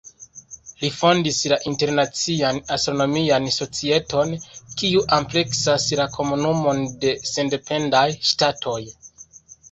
Li fondis la Internacian Astronomian Societon, kiu ampleksas la Komunumon de Sendependaj Ŝtatoj.